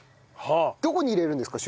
どこに入れるんですか？